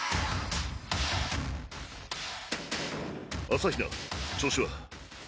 朝日奈調子は？